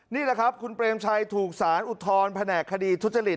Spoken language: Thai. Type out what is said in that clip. นี่แหละครับคุณเปรมชัยถูกสารอุทธรณ์แผนกคดีทุจริต